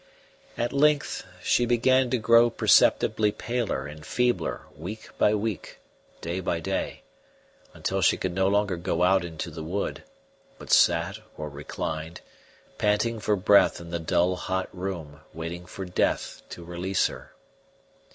At length she began to grow perceptibly paler and feebler week by week, day by day, until she could no longer go out into the wood, but sat or reclined, panting for breath in the dull hot room, waiting for death to release her.